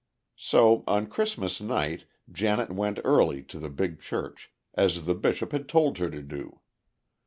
So on Christmas night, Janet went early to the big church, as the Bishop had told her to do.